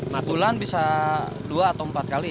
satu bulan bisa dua atau empat kali ya